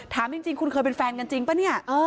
ถามจริงคุณเคยเป็นแฟนกันจริงป่ะเนี่ย